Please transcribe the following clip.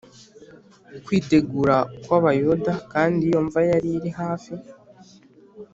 kwitegura kw Abayuda kandi iyo mva yari iri hafi